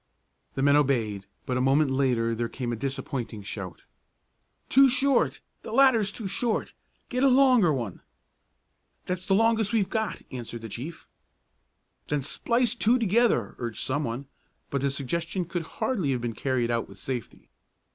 The men obeyed but a moment later there came a disappointing shout: "Too short! The ladder's too short! Get a longer one!" "That's the longest we've got!" answered the chief. "Then splice two together!" urged some one, but the suggestion could hardly have been carried out with safety.